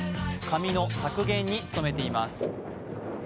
紙の削減に努めています。